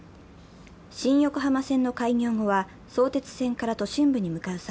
新横浜線の開業後は相鉄線から都心部に向かう際